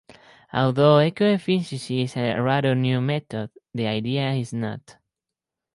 Although eco-efficiency is a rather new method, the idea is not.